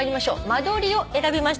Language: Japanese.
「間取り」を選びました